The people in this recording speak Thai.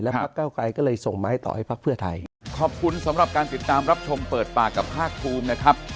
พักเก้าไกรก็เลยส่งมาให้ต่อให้พักเพื่อไทยขอบคุณสำหรับการติดตามรับชมเปิดปากกับภาคภูมินะครับ